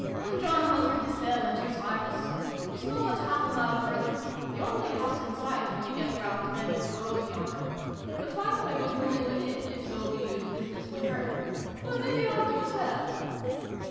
" I'm John Hunter hissel, at your sarvice. It's nobbut half a mile further the only house in sight, when you get round bend o' the road yonder. You'll find my good woman within, if so be you've business wi' her. Or mebbe I'll do as well